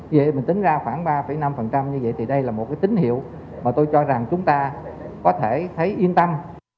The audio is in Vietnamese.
như vậy mình tính ra khoảng ba năm như vậy thì đây là một cái tín hiệu mà tôi cho rằng chúng ta có thể thấy yên tâm